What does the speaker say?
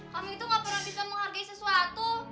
kami itu gak pernah bisa menghargai sesuatu